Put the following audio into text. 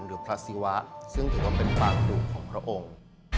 หรือพระศิวะซึ่งถือว่าเป็นความดุของพระองค์